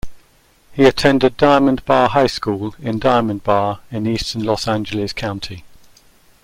He attended Diamond Bar High School in Diamond Bar, in eastern Los Angeles County.